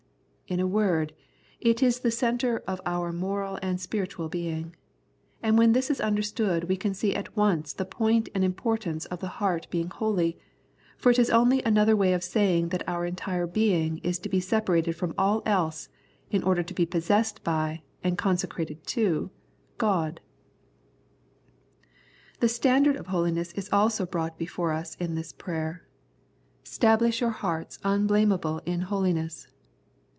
In a word, it is the centre of our moral and spiritual being ; and when this is understood we can see at once the point and importance of the heart being holy, for it is only another way of saying that our entire being is to be separated from all else in order to be possessed by, and con secrated to, God. The standard of holiness is also brought before us in this prayer —*' Stablish your 10 Grace and Holiness hearts unblameable in holiness."